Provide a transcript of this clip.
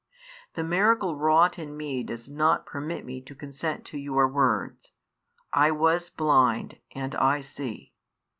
The miracle wrought in me does not permit me to consent to your words: I was blind and I see.